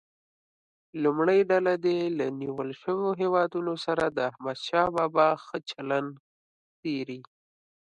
لومړۍ ډله دې له نیول شویو هیوادونو سره د احمدشاه بابا ښه چلند څېړي.